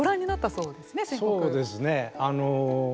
そうですね。